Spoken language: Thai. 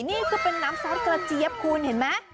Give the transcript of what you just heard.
นี่คือเป็นน้ำซอสกระเจี๊ยบคุณเห็นไหม